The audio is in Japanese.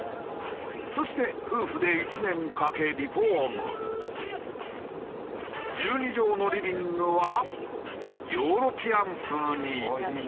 そして１２畳のリビングはヨーロピアン風に。